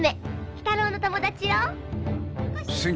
鬼太郎の友達よ」